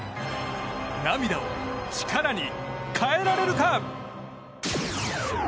涙を力に変えられるか？